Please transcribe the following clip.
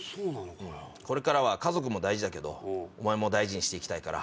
これからは家族も大事だけどお前も大事にして行きたいから。